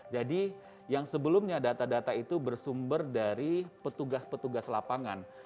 jadi yang sebelumnya data data itu bersumber dari petugas petugas lapangan